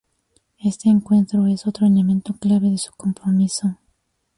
Este encuentro es otro elemento clave de su compromiso.